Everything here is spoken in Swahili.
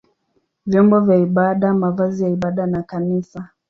vyombo vya ibada, mavazi ya ibada na kanisa.